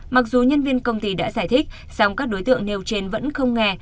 mặc dù nhân viên công ty đã giải thích song các đối tượng nêu trên vẫn không nghe